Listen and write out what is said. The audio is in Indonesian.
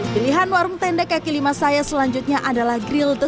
pilihan warung tenda kaki lima saya selanjutnya adalah grildo